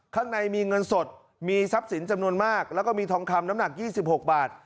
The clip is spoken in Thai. ข้างในมีเงินสดมีทรัพย์สินจำนวนมากแล้วก็มีทองคำน้ำหนัก๒๖บาท